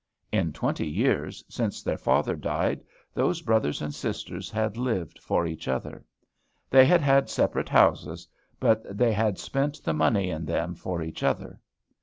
In twenty years, since their father died, those brothers and sisters had lived for each other. They had had separate houses, but they had spent the money in them for each other.